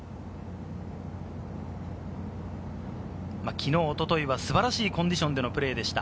きのう、おとといは素晴らしいコンディションでのプレーでした。